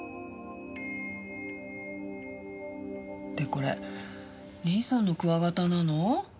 でこれ義兄さんのクワガタなの？